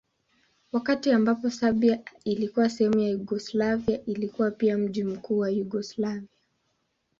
Wakati ambako Serbia ilikuwa sehemu ya Yugoslavia ilikuwa pia mji mkuu wa Yugoslavia.